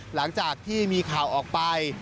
หลังจากที่มีข่าวออกไป